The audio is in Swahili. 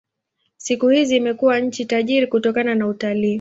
Siku hizi imekuwa nchi tajiri kutokana na utalii.